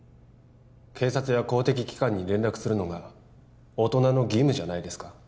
警察や公的機関に連絡するのが大人の義務じゃないですか？